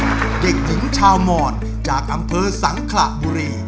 เด็กหญิงชาวมอนจากอำเภอสังขระบุรี